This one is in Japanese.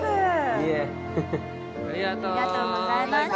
いいえありがとうございました